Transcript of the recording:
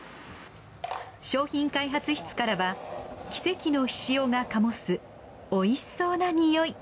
商品開発室からは奇跡の醤が醸すおいしそうな匂い。